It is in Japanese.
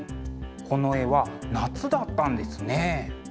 この絵は夏だったんですね。